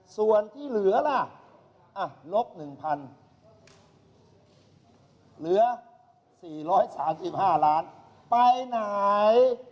ส่วนที่เหลือล่ะลบ๑๐๐เหลือ๔๓๕ล้านไปไหน